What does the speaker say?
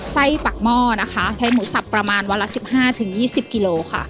ไส้ปากหม้อนะคะใช้หมูสับประมาณวันละสิบห้าถึงยี่สิบกิโลค่ะ